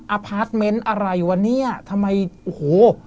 พาร์ทเมนต์อะไรวะเนี่ยทำไมโอ้โห